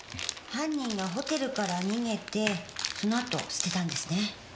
犯人がホテルから逃げてそのあと捨てたんですね。